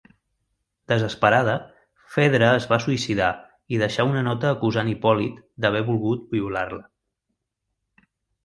Desesperada, Fedra es va suïcidar i deixà una nota acusant Hipòlit d'haver volgut violar-la.